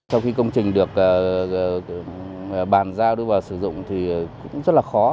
sau khi công trình được bàn giao đưa vào sử dụng thì cũng rất là khó